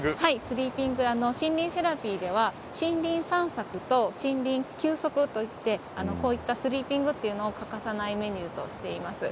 森林セラピーでは森林散策と森林休息といってこうしたスリーピングを欠かさないメニューとしています。